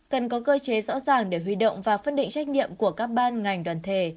cần có cơ chế rõ ràng để huy động và phân định trách nhiệm của các ban ngành đoàn thể